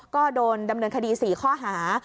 ก็โดนดำเนินคดี๔ข้อหา